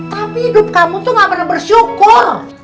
tapi hidup kamu tuh gak pernah bersyukur